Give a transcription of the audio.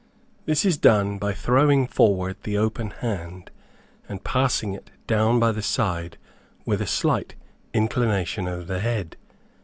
This is done by throwing forward the open hand, and passing it down by the side with a slight inclination of the head.